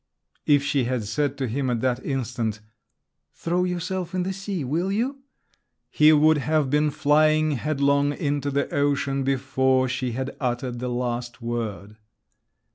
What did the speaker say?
If she had said to him at that instant "Throw yourself in the sea, will you?" he would have been flying headlong into the ocean before she had uttered the last word.